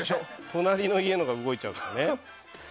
隣の家のが動いちゃうとかね。